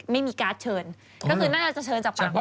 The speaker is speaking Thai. ไม่มีการ์ดเชิญก็คือน่าจะเชิญจากปากว่า